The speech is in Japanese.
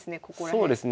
そうですね。